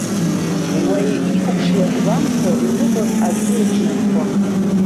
Уаҩ илаԥш иазгәамҭо иныҟәоз аӡы еиқәнархон.